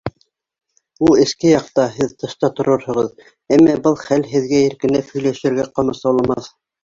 Ул эске яҡта, һеҙ тышта торорһоғоҙ, әммә был хәл һеҙгә иркенләп һөйләшергә ҡамасауламаҫ.